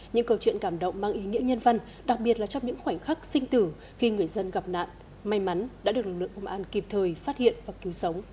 những câu chuyện cảm động mang ý nghĩa nhân văn đặc biệt là trong những khoảnh khắc sinh tử khi người dân gặp nạn may mắn đã được lực lượng công an kịp thời phát hiện và cứu sống